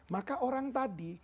maka orang tadi